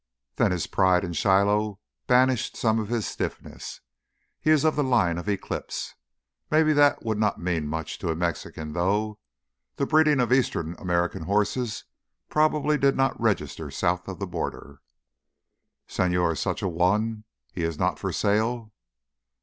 Then his pride in Shiloh banished some of his stiffness. "He is of the line of Eclipse." Maybe that would not mean much to a Mexican, though. The breeding of eastern American horses probably did not register south of the border. "Señor—such a one—he is not for sale?"